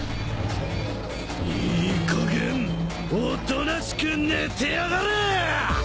いいかげんおとなしく寝てやがれ！